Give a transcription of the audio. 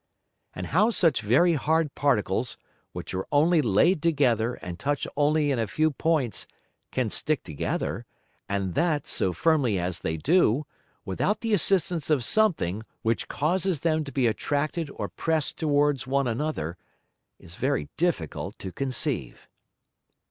And how such very hard Particles which are only laid together and touch only in a few Points, can stick together, and that so firmly as they do, without the assistance of something which causes them to be attracted or press'd towards one another, is very difficult to conceive.